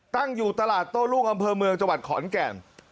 ตั้งอยู่ตลาดโต้รุ่งอำเภอเมืองจังหวัดขอนแก่น